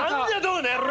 この野郎！